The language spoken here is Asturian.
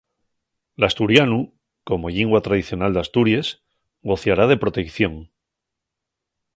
L'asturianu, como llingua tradicional d'Asturies, gociará de proteición.